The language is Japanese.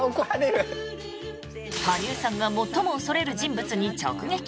羽生さんが最も恐れる人物に直撃。